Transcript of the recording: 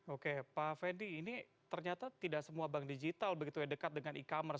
oke pak fendi ini ternyata tidak semua bank digital begitu ya dekat dengan e commerce